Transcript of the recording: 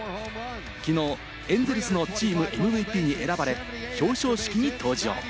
きのうエンゼルスのチームＭＶＰに選ばれ、表彰式に登場。